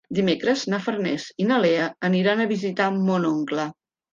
Dimecres na Farners i na Lea aniran a visitar mon oncle.